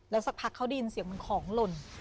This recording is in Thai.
สักพักเขาได้ยินเสียงเหมือนของหล่น